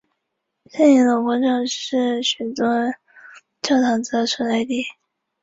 圣以诺广场是许多教堂的所在地。